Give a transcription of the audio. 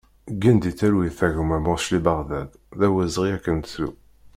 Gen di talwit a gma Morsli Baɣdad, d awezɣi ad k-nettu!